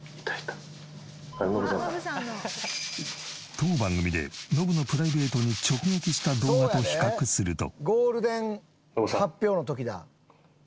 当番組でノブのプライベートに直撃した動画と比較すると。